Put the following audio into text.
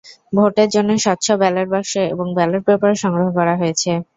ভোটের জন্য স্বচ্ছ ব্যালট বাক্স এবং ব্যালট পেপারও সংগ্রহ করা হয়েছে।